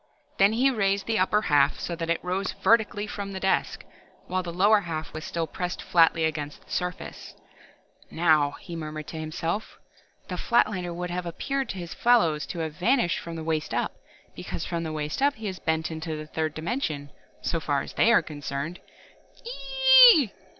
Then he raised the upper half so that it rose vertically from the desk, while the lower half was still pressed flatly against the desk surface. "Now," he murmured to himself, "the Flatlander would appear to his fellows to have vanished from the waist up, because from the waist up he is bent into the third dimension ... so far as they are concerned...." "E e e e e!"